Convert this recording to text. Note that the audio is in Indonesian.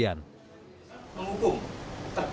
ketua kementerian hukum dan ham kalimantan barat